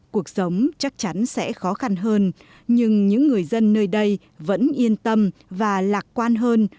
cuộc sống chắc chắn sẽ khó khăn hơn nhưng những người dân nơi đây vẫn yên tâm và lạc quan hơn